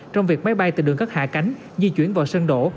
trong việc máy bay từ đường cất hạ cánh di chuyển vào sân đổ